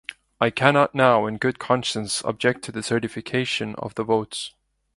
I cannot now in good conscience object to the certification of the votes.